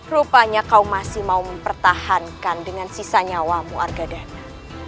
rupanya kau masih mau mempertahankan dengan sisa nyawamu argadana